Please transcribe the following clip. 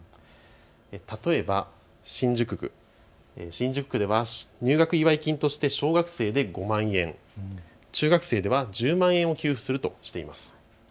例えば新宿区では入学祝い金として小学生で５万円、中学生では１０万円を給付するとしています。